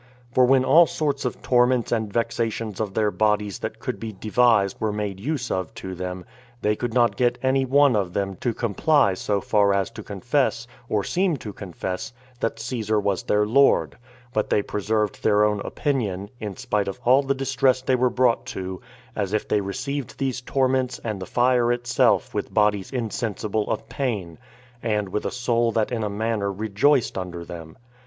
For when all sorts of torments and vexations of their bodies that could be devised were made use of to them, they could not get any one of them to comply so far as to confess, or seem to confess, that Caesar was their lord; but they preserved their own opinion, in spite of all the distress they were brought to, as if they received these torments and the fire itself with bodies insensible of pain, and with a soul that in a manner rejoiced under them.